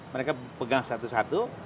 mereka pegang satu satu